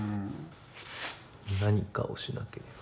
「何かをしなければ」